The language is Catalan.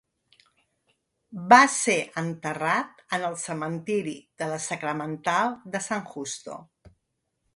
Va ser enterrat en el cementiri de la Sacramental de San Justo.